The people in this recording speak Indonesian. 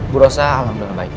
bu rosa alhamdulillah baik